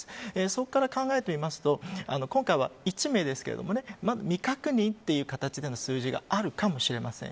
そこから考えてみると今回は、１名ですけどまだ未確認という形での数字があるかもしれません。